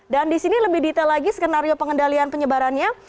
di sini lebih detail lagi skenario pengendalian penyebarannya